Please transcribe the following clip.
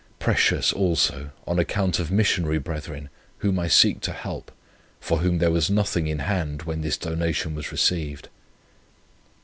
Precious, also, on account of Missionary brethren, whom I seek to help, for whom there was nothing in hand when this donation was received."